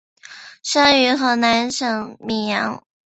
生于河南省泌阳。